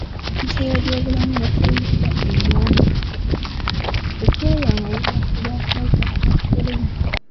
Minisitule y'ebyobulamu yayisizza ennambika ku kweyawula olw'akawuka ka kolona.